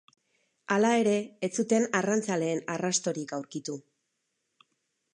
Hala ere, ez zuten arrantzaleen arrastorik aurkitu.